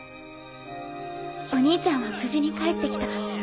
お兄ちゃんは無事に帰って来た。